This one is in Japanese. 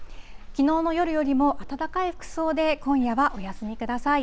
きのうの夜よりも暖かい服装で今夜はお休みください。